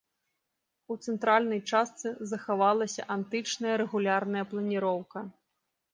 У цэнтральнай частцы захавалася антычная рэгулярная планіроўка.